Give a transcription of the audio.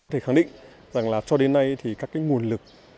thể khẳng định rằng là cho đến nay thì các cái nguồn lực